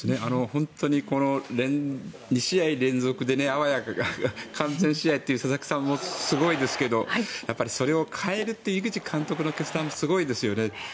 本当に２試合連続であわや完全試合という佐々木さんもすごいですけどそれを代えるという井口監督の決断ってすごいですよね。